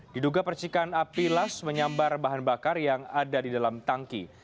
diduga percikan api las menyambar bahan bakar yang ada di dalam tangki